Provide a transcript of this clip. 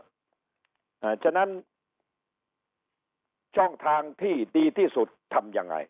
เพราะฉะนั้นช่องทางที่ดีที่สุดทำยังไง